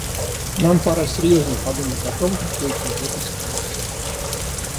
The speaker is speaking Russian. Нам пора серьезно подумать о том, как выйти из этой ситуации.